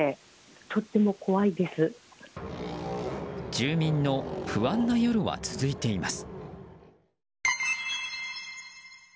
住民の不安な夜は続いています。